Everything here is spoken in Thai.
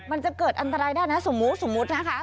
มันจะเกิดอันตรายได้นะสมมุตลักษณ์นะค่ะ